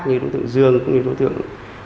như đối tượng dương